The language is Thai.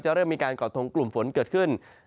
เริ่มมีการก่อทงกลุ่มฝนเกิดขึ้น